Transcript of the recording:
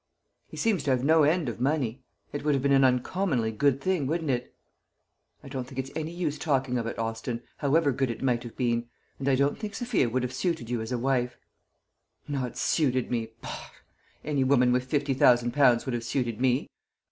He seems to have no end of money. It would have been an uncommonly good thing, wouldn't it?" "I don't think it's any use talking of it, Austin, however good it might have been; and I don't think Sophia would have suited you as a wife." "Not suited me bosh! Any woman with fifty thousand pounds would have suited me.